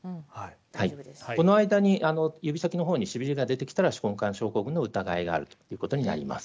この間に指先のほうにしびれが出てきたら手根管症候群の疑いがあるということになります。